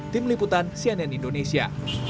tim liputan cnn indonesia